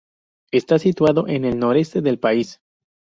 Está situado en el noroeste del país.